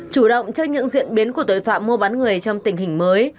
chủ động trước những diễn biến của tội phạm mua bán người trong tình hình mới